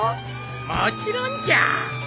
もちろんじゃ！